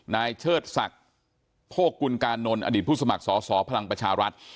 เชิดศักดิ์โภคกุลกานนท์อดีตผู้สมัครสอสอพลังประชารัฐ